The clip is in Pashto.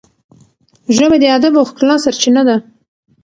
ژبه د ادب او ښکلا سرچینه ده.